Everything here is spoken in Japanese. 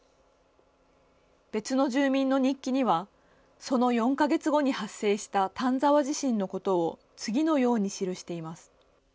別の住民の日記にはその４か月後に発生した丹沢地震のことを次のように記しています。